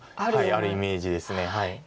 はいあるイメージです。